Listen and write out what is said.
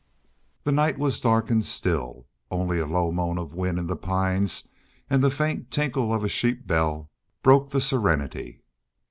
The night was dark and still. Only a low moan of wind in the pines and the faint tinkle of a sheep bell broke the serenity.